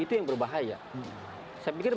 itu yang berbahaya saya pikir